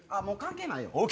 もう関係ないよ。